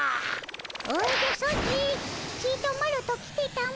おじゃソチちとマロと来てたも。